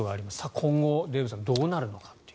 今後、デーブさんどうなるのかという。